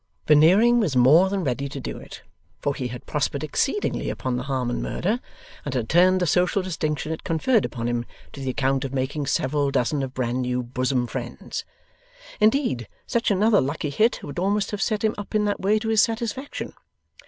Veneering was more than ready to do it, for he had prospered exceedingly upon the Harmon Murder, and had turned the social distinction it conferred upon him to the account of making several dozen of bran new bosom friends. Indeed, such another lucky hit would almost have set him up in that way to his satisfaction.